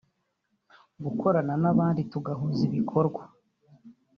“Gukorana n’abandi tugahuza ibikorwa